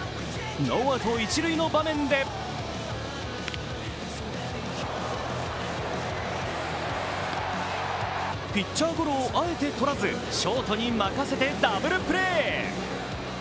ノーアウト一塁の場面でピッチャーゴロをあえてとらずショートに任せてダブルプレー。